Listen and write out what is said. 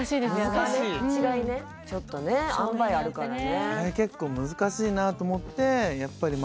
難しいちょっとねあんばいあるからね